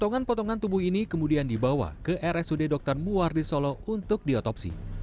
yang setelah dibungkus plastik